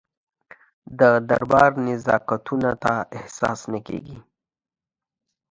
د دربار نزاکتونه ته احساس نه کېږي.